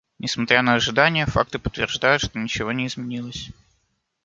Несмотря на ожидания, факты подтверждают, что ничего не изменилось.